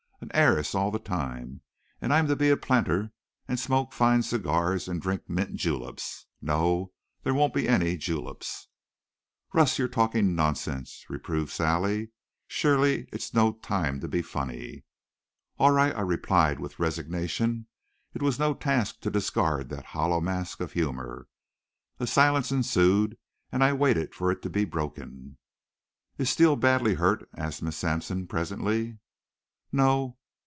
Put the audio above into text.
An heiress all the time! And I'm to be a planter and smoke fine cigars and drink mint juleps! No, there won't be any juleps." "Russ, you're talking nonsense," reproved Sally. "Surely it's no time to be funny." "All right," I replied with resignation. It was no task to discard that hollow mask of humor. A silence ensued, and I waited for it to be broken. "Is Steele badly hurt?" asked Miss Sampson presently. "No.